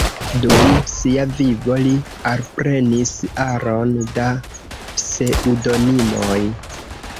Dum sia vivo li alprenis aron da pseŭdonimoj.